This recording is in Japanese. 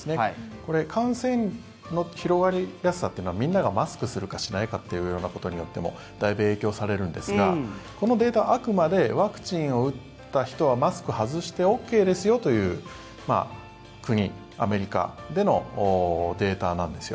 これ、感染の広がりやすさというのはみんながマスクするかしないかというようなことによってもだいぶ影響されるんですがこのデータはあくまでワクチンを打った人はマスクを外してＯＫですよという国アメリカでのデータなんですよ。